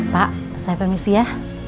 pak saya permisi ya